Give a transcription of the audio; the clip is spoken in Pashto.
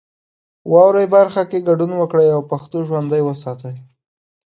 په واورئ برخه کې ګډون وکړئ او پښتو ژوندۍ وساتئ.